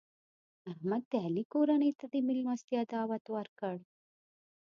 احمد د علي کورنۍ ته د مېلمستیا دعوت ورکړ.